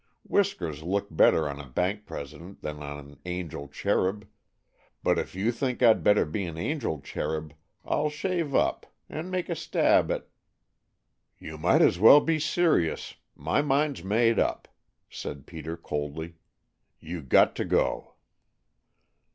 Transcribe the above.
Whiskers look better on a bank president than on an angel cherub, but if you think I'd better be an angel cherub, I'll shave up and make a stab at " "You might as well be serious, my mind's made up," said Peter coldly. "You got to go."